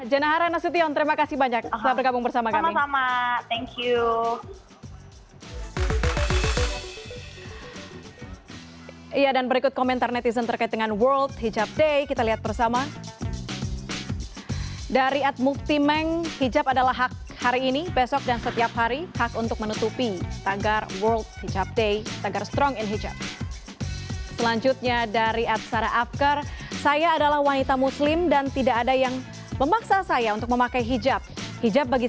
jenna hara nasution terima kasih banyak telah bergabung bersama kami